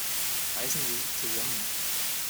Reißen Sie sich zusammen!